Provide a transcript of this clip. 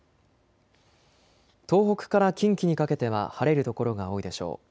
東北から近畿にかけては晴れる所が多いでしょう。